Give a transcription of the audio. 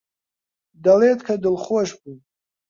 دەڵێت کە دڵخۆش بووم.